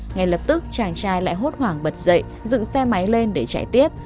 ngay lập tức chàng trai lại hốt hoảng bật dậy dựng xe máy lên để chạy tiếp